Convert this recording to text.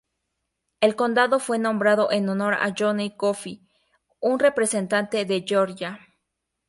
El condado fue nombrado en honor a John E. Coffee, un representante de Georgia.